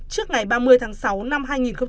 trước ngày ba mươi tháng sáu năm hai nghìn một mươi bảy